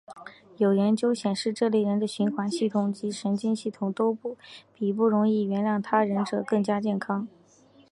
有研究显示这类人的循环系统及神经系统都比不容易原谅他人者更加健康。